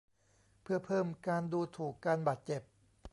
เพื่อเพิ่มการดูถูกการบาดเจ็บ